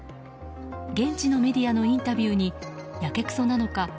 現地のメディアのインタビューにやけくそなのか